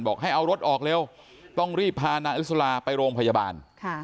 ให้เอารถออกเร็วต้องรีบพานางอลิสลาไปโรงพยาบาล